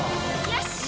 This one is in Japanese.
よし！